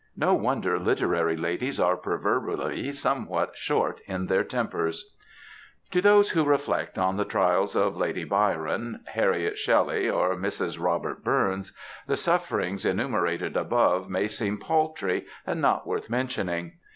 No wonder literary ladies are proverbially somewhat short in their tempers ! To those who reflect on the trials of Lady Byron, Harriet Shelley, or Mrs. Robert Bums, the sufierings enumerated above may seem paltry and not worth mention ing.